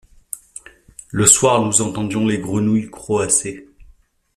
Le soir nous entendions les grenouilles croasser.